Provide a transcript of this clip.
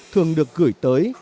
thường được gửi tới